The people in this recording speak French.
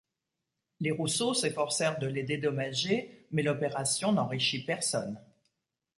Les Rousseau s'efforcèrent de les dédommager, mais l'opération n'enrichit personne.